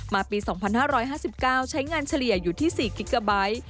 มาปี๒๕๕๙ใช้งานเฉลี่ยอยู่ที่สี่กิโกบาต์